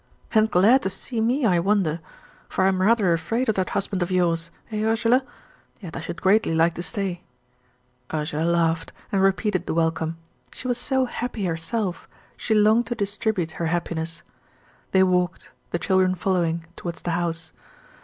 "And glad to see me, I wonder? For I am rather afraid of that husband of yours eh, Ursula? Yet I should greatly like to stay." Ursula laughed, and repeated the welcome. She was so happy herself she longed to distribute her happiness. They walked, the children following, towards the house.